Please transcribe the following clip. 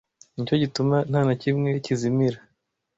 ni cyo gituma nta na kimwe kizimira